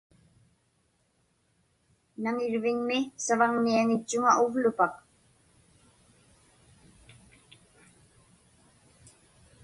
Naŋirviŋmi savaŋniaŋitchuŋa uvlupak.